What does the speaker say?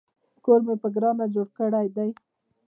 کور مې په ګرانه جوړ کړی دی